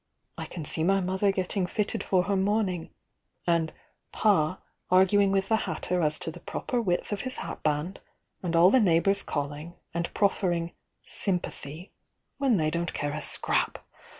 I can see my mother getting fitted for her mourning, and 'Pa' arguing with the hatter as to the pr>.per width of his hat band, and all the neighbours calling, and proffering 'sjmpathy' when they don't care a scrap!